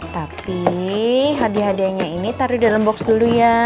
tapi hadiah hadiahnya ini taruh di dalam box dulu ya